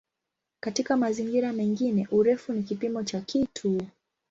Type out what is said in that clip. Katika mazingira mengine "urefu" ni kipimo cha kitu.